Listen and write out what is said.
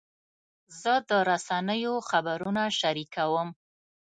زه د رسنیو خبرونه شریکوم.